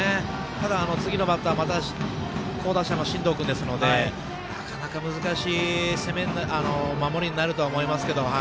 ただ、次のバッターまた好打者の進藤君ですのでなかなか難しい守りになると思いますけど。